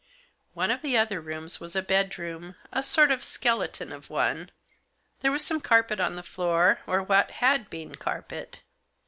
One of the other rooms was a bedroom, a sort of skeleton of one. There was some carpet on the floor, or what had been carpet.